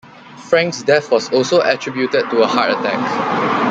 Frank's death was also attributed to a heart attack.